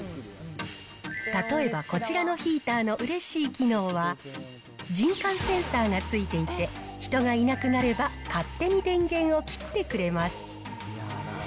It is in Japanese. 例えば、こちらのヒーターのうれしい機能は、人感センサーが付いていて、人がいなくなれば勝手に電源を切ってくれます。